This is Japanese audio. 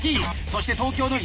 そして東京の。